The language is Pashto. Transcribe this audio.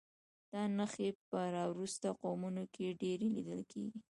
دا نښې په راوروسته قومونو کې ډېرې لیدل کېږي.